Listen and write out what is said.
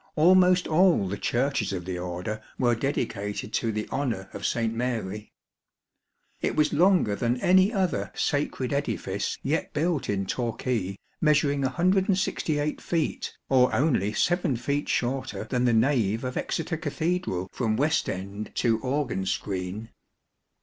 Almost all the Churches of the Order were dedicated to the honour of St. Mary. It was longer than any other sacred edifice yet built in Torquay, measuring 168 feet, or only 7 feet shorter than the nave of Exeter Cathedral from west end to organ screen.